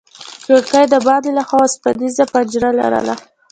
کړکۍ د باندې له خوا وسپنيزه پنجره لرله.